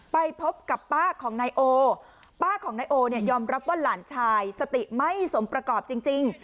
ไปพบกับป้าของนายโอป้าของนายโอเนี่ยยอมรับว่าหลานชายสติไม่สมประกอบจริง